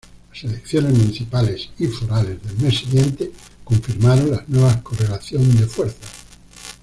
Las elecciones municipales y forales del mes siguiente confirmaron la nueva correlación de fuerzas.